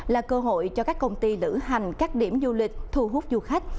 là cơ hội cho các công ty lữ hành các điểm du lịch thu hút du khách